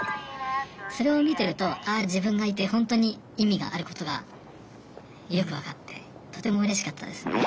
それを見てるとああ自分がいてほんとに意味があることがよく分かってとてもうれしかったですね。